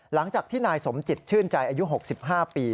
หลังจากที่นายสมจิตชื่นใจอายุ๖๕ปี